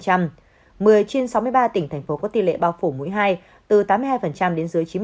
một mươi trên sáu mươi ba tỉnh thành phố có tỷ lệ bao phủ mũi hai từ tám mươi hai đến dưới chín mươi